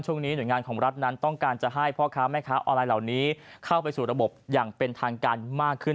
หน่วยงานของรัฐนั้นต้องการจะให้พ่อค้าแม่ค้าออนไลน์เหล่านี้เข้าไปสู่ระบบอย่างเป็นทางการมากขึ้น